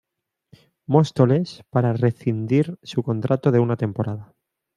Móstoles para rescindir su contrato de una temporada.